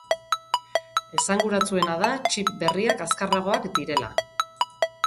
Esanguratsuena da txip berriak azkarragoak direla.